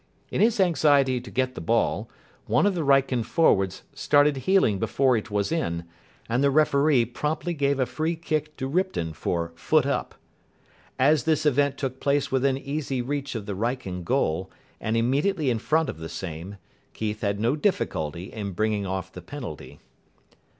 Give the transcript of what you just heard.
In his anxiety to get the ball, one of the Wrykyn forwards started heeling before it was in, and the referee promptly gave a free kick to Ripton for "foot up". As this event took place within easy reach of the Wrykyn goal, and immediately in front of the same, Keith had no difficulty in bringing off the penalty.